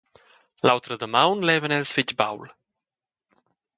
L’autra damaun levan els fetg baul.